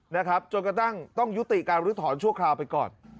นะครับจนกระทั่งต้องยุติการรื้อถอนชั่วคราวไปก่อน